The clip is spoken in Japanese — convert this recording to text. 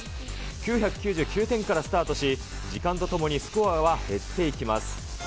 ９９９点からスタートし、時間とともにスコアは減っていきます。